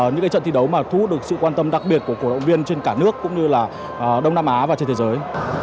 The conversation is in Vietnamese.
những trận thi đấu mà thu hút được sự quan tâm đặc biệt của cổ động viên trên cả nước cũng như là đông nam á và trên thế giới